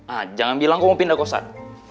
ah jangan bilang gue mau pindah kosad